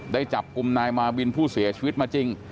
ได้จับกลุ่มนายมาวินผู้เสียชีวิตมาจริง